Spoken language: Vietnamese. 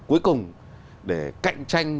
cuối cùng để cạnh tranh